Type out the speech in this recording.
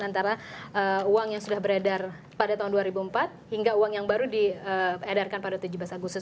antara uang yang sudah beredar pada tahun dua ribu empat hingga uang yang baru diedarkan pada tujuh belas agustus